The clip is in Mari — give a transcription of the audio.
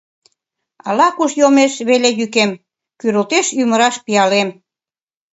Ала-куш йомеш веле йӱкем, Кӱрылтеш ӱмыраш пиалем.